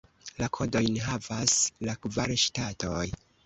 La kodojn havas la kvar ŝtatoj.